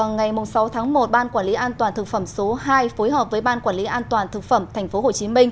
ngày sáu tháng một ban quản lý an toàn thực phẩm số hai phối hợp với ban quản lý an toàn thực phẩm tp hcm